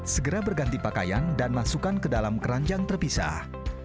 segera berganti pakaian dan masukkan ke dalam keranjang terpisah